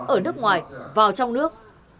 ở nước ngoài vào trong nước